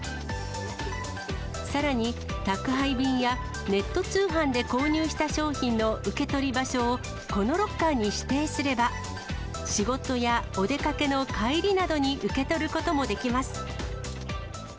さらに宅配便や、ネット通販で購入した商品を受け取り場所をこのロッカーに指定すれば、仕事やお出かけの帰りなどに受け取ることもできます。